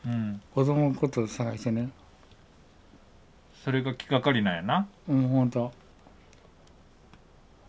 それが気がかりなんやな。